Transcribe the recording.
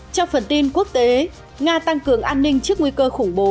trong phần tin quốc tế nga tăng cường an ninh trước nguy cơ khủng bố